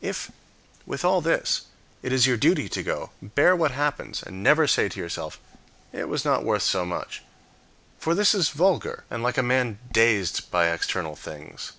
If, with all this, it is your duty to go, bear what happens, and never say [to yourself], " It was not worth so much." For this is vulgar, and like a man dazed by external things.